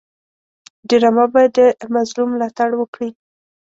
ډرامه باید د مظلوم ملاتړ وکړي